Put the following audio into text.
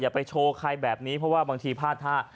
ไปโชว์ใครแบบนี้เพราะว่าบางทีพลาดท่า